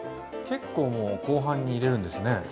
結構もう後半に入れるんですね。